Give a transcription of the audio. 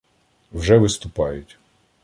Вже виступають.